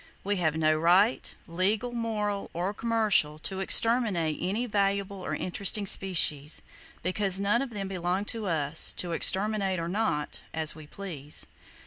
We have no right, legal, moral or commercial, to exterminate any valuable or interesting species; because none of them belong to us, to exterminate or not, as we please.